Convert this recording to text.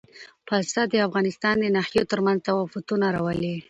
پسه د افغانستان د ناحیو ترمنځ تفاوتونه راولي.